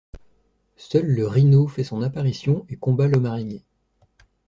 Seul le Rhino fait son apparition et combat l'homme araignée.